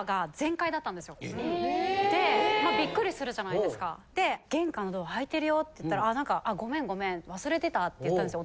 でビックリするじゃないですかで「玄関のドア開いてるよ」って言ったら「ごめんごめん忘れてた」って言ったんですよ